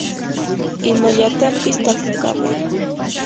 imallatapis tapukamay.